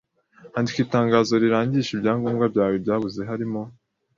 Andika itangazo rirangisha ibyangombwa byawe byabuze harimo